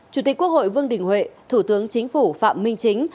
chủ tịch quốc hội vương đình huệ thủ tướng chính phủ phạm minh chính